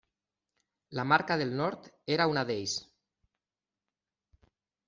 La Marca del Nord era una d'ells.